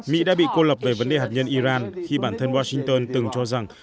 mỹ đã bị cô lập về vấn đề hạt nhân iran khi bản thân washington từng cho rằng